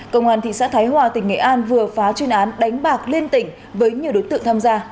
công an thị xã thái hòa tỉnh nghệ an vừa phá chuyên án đánh bạc liên tỉnh với nhiều đối tượng tham gia